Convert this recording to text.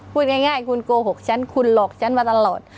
พูดง่ายคุณโกหกฉันคุณหลอกฉันมาตลอด